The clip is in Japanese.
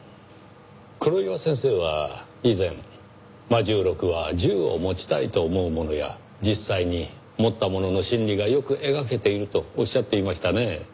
黒岩先生は以前『魔銃録』は銃を持ちたいと思う者や実際に持った者の心理がよく描けているとおっしゃっていましたねぇ。